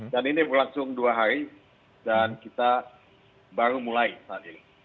dan ini berlangsung dua hari dan kita baru mulai saat ini